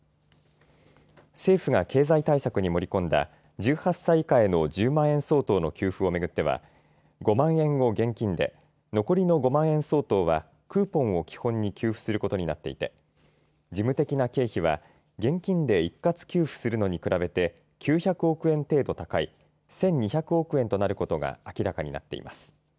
政府が経済対策に盛り込んだ１８歳以下への１０万円相当の給付を巡っては５万円を現金で残りの５万円相当はクーポンを基本に給付することになっていて事務的な経費は現金で一括給付するのに比べて９００億円程度高い１２００億円となることが明らかになっています。